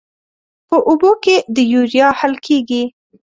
په اوبو کې د یوریا حل کیږي.